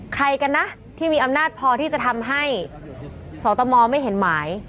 ใครกันนะที่มีอำนาจพอที่จะทำให้สตมไม่เห็นหมาย